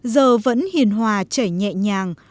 giờ vẫn hiền hòa trẻ nhẹ nhàng